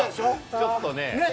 ちょっとね。